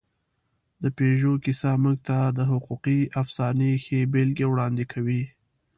د پيژو کیسه موږ ته د حقوقي افسانې ښې بېلګې وړاندې کوي.